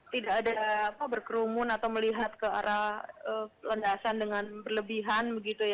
tidak ada berkerumun atau melihat ke arah landasan dengan berlebihan